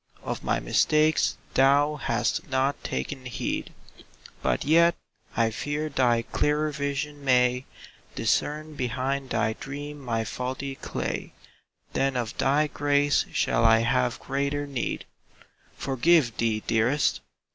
Of my mistakes thou hast not taken heed. But yet I fear thy clearer vision may Discern behind thy dream my faulty clay — Then of thy grace shall I have greater need. Forgive thee, dearest?